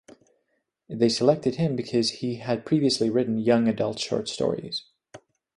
They selected him because he had previously written young adult short stories.